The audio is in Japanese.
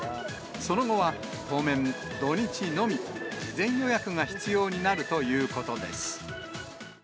その後は当面、土日のみ、事前予約が必要になるということです。